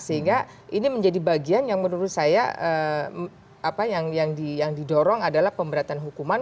sehingga ini menjadi bagian yang menurut saya yang didorong adalah pemberatan hukuman